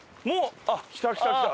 来た来た来た。